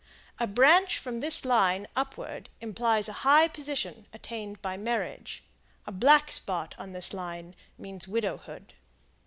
A branch from this line upward implies a high position attained by marriage. A black spot on this line means widowhood.